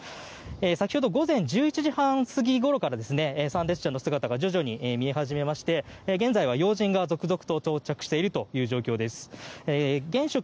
先ほど午前１１時半過ぎごろから参列者の姿が徐々に見え始めまして現在は要人が続々と到着している状況です。